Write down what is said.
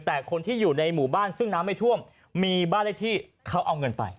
แต่คนที่อยู่ในหมู่บ้านซึ่งน้ำไม่ท่วมมีบ้านเลขที่เขาเอาเงินไป